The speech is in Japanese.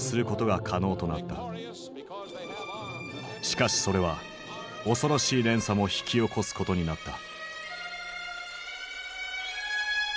しかしそれは恐ろしい連鎖も引き起こすことになった。